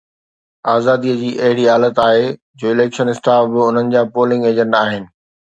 آزاديءَ جي اهڙي حالت آهي جو اليڪشن اسٽاف به انهن جا پولنگ ايجنٽ آهن